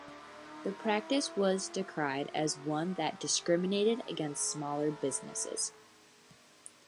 The practice was decried as one that discriminated against smaller businesses.